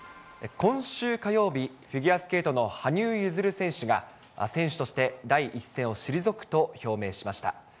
今週火曜日、フィギュアスケートの羽生結弦選手が、選手として第一線を退くと表明しました。